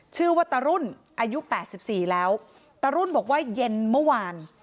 ชื่อว่าตะรุ่นอายุแปดสิบสี่แล้วตะรุ่นบอกว่าเย็นเมื่อวาน